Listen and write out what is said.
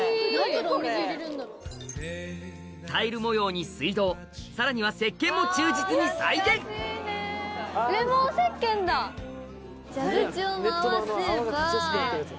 タイル模様に水道さらにはせっけんも忠実に再現蛇口を回せるか。